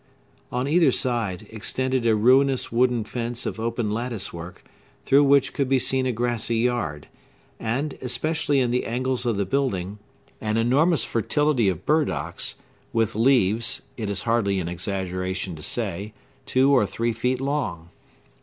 On either side extended a ruinous wooden fence of open lattice work, through which could be seen a grassy yard, and, especially in the angles of the building, an enormous fertility of burdocks, with leaves, it is hardly an exaggeration to say, two or three feet long.